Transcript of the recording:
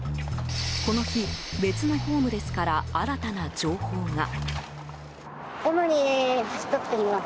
この日、別のホームレスから新たな情報が。